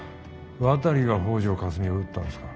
渡が北條かすみを撃ったんですか？